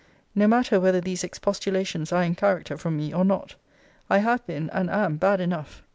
No matter whether these expostulations are in character from me, or not. I have been and am bad enough.